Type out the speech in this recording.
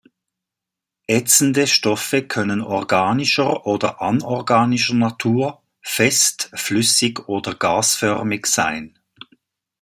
Ätzende Stoffe können organischer oder anorganischer Natur, fest, flüssig oder gasförmig sein.